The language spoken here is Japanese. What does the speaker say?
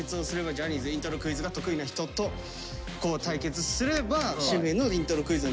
「ジャニーズイントロクイズ」が得意な人と対決すればしめのイントロクイズの実力が見れるってわけだ。